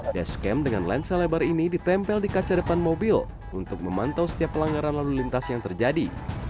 base camp dengan lensa lebar ini ditempel di kaca depan mobil untuk memantau setiap pelanggaran lalu lintas yang terjadi